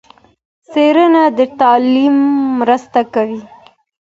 څېړنه د تعليم مرسته کوي.